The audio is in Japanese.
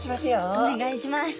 お願いします。